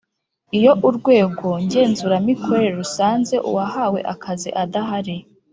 Iyo Urwego ngenzuramikorere rusanze uwahawe akazi adahari